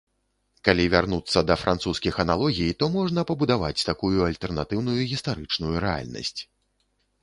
Калі вярнуцца да французскіх аналогій, то можна пабудаваць такую альтэрнатыўную гістарычную рэальнасць.